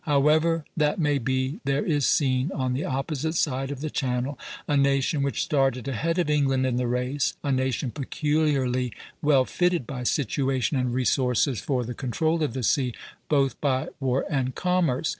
However that may be, there is seen, on the opposite side of the Channel, a nation which started ahead of England in the race, a nation peculiarly well fitted, by situation and resources, for the control of the sea both by war and commerce.